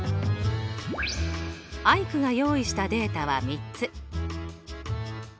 アイクが用意したデータは３つ。